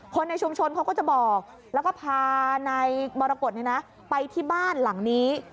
คนในชุมชนเขาก็จะบอกแล้วก็พานายมรกฏไปที่บ้านหลังนี้